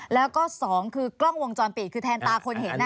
แล้วก็สองคือกล้องวงจรปิดคือแทนตาคนเห็น